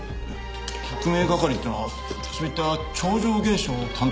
特命係っていうのはそういった超常現象を担当しているんですか？